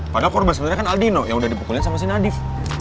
padahal korban sebenarnya kan aldino yang udah dipukulin sama si nadif